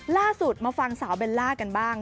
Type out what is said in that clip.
ล่าสุดมาฟังสาวเบลล่ากันบ้าง